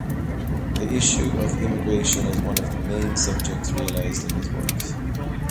The issue of immigration is one of the main subjects realised in his works.